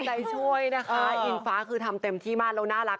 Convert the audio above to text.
ใจช่วยนะคะอิงฟ้าคือทำเต็มที่มากแล้วน่ารัก